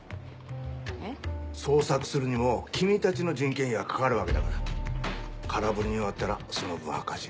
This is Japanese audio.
えっ？捜索するにも君たちの人件費がかかるわけだから空振りに終わったらその分赤字。